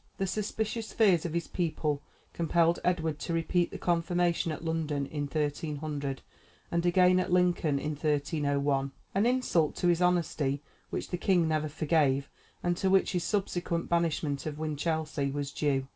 The suspicious fears of his people compelled Edward to repeat the confirmation at London in 1300, and again at Lincoln in 1301 an insult to his honesty which the king never forgave, and to which his subsequent banishment of Winchelsea was due.